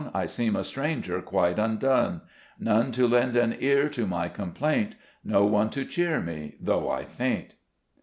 I seem a stranger, quite undone; None to lend an ear to my complaint, No one to cheer me, though I faint."